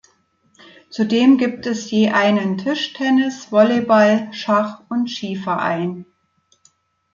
Zudem gibt je einen Tischtennis-, Volleyball-, Schach- und Skiverein.